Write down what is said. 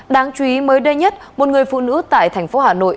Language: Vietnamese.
đáng chú ý mới đây nhất một người phụ nữ tại thành phố hà nội